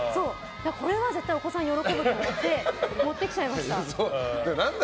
これは絶対お子さん喜ぶと思って持ってきちゃいました。